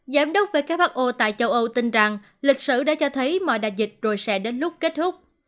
giám đốc who tại châu âu tin rằng lịch sử đã cho thấy mọi đại dịch rồi sẽ đến lúc kết thúc